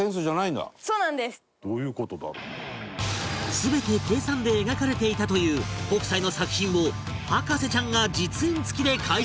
全て計算で描かれていたという北斎の作品を博士ちゃんが実演つきで解説